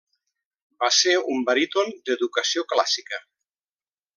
Va ser un baríton d'educació clàssica.